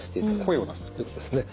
声を出すってことですね。